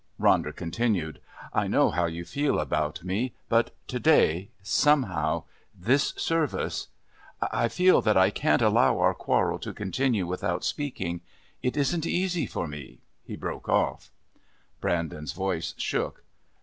Ronder continued: "I know how you feel about me. But to day somehow this service I feel that I can't allow our quarrel to continue without speaking. It isn't easy for me " He broke off. Brandon's voice shook.